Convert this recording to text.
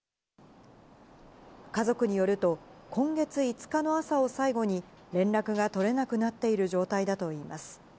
家族によると、今月５日の朝を最後に、連絡が取れなくなっている状態だといいます。